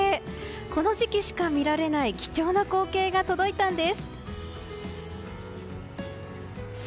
この時期しか見られない貴重な光景が届いたんです。